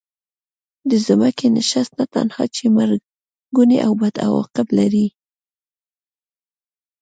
د ځمکې نشست نه تنها چې مرګوني او بد عواقب لري.